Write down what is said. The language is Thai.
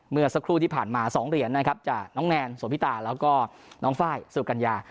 เมื่อสักครู่ที่ผ่านมา๒เหรียญนะครับจากน้องแนนสวพิตาแล้วก็น้องไฟล์สุกัญญา